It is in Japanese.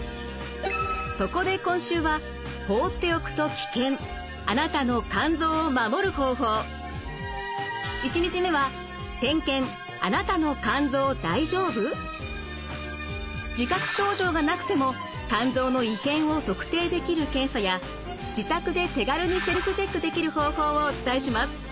そこで今週は１日目は自覚症状がなくても肝臓の異変を特定できる検査や自宅で手軽にセルフチェックできる方法をお伝えします。